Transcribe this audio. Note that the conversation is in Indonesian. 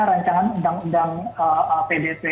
rancangan undang undang pdt